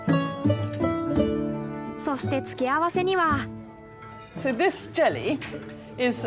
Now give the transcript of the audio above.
そして付け合わせには。